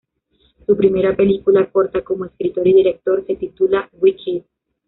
Su primera película corta, como escritor y director, se titula "We Kid".